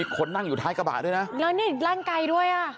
กระปะนด